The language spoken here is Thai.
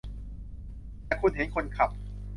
แต่คุณเห็นคนขับ !